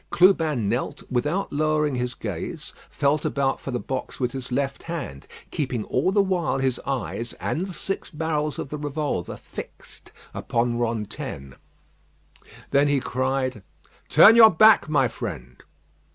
Clubin knelt without lowering his gaze; felt about for the box with his left hand, keeping all the while his eyes and the six barrels of the revolver fixed upon Rantaine. Then he cried: "Turn your back, my friend."